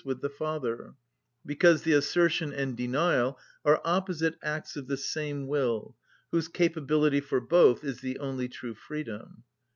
_, with the Father, because the assertion and denial are opposite acts of the same will whose capability for both is the only true freedom.